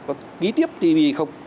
có ký tiếp tpp không